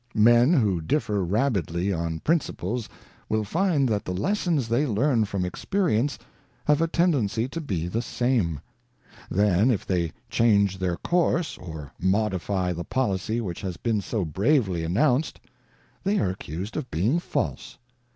Men who differ rabidly on principles will find that the lessons they learn from experience have a tendency to be the same. Then, if they change their course, or modify the policy which has been so bravely announced, they are accused of being false.